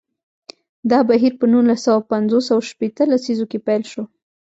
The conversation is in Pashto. دا بهیر په نولس سوه پنځوس او شپیته لسیزو کې پیل شو.